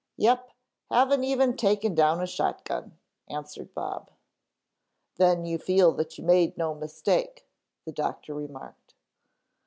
"Yep, haven't even taken down a shot gun," answered Bob. "Then you feel that you made no mistake," the doctor remarked.